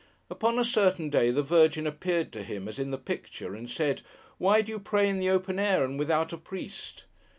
Upon a certain day, the Virgin appeared to him, as in the picture, and said, 'Why do you pray in the open air, and without a priest?